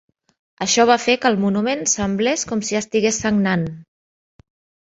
Això va fer que el monument semblés com si estigués sagnant.